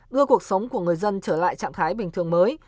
đưa cuộc sống của người dân trở lại trạng thái bình thường mới